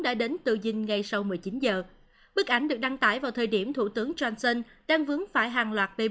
đã đến tự dinh ngay sau một mươi chín h bức ảnh được đăng tải vào thời điểm thủ tướng johnson đang vướng phải hàng loạt bê bối